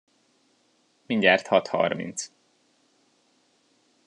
Mindjárt hat harminc.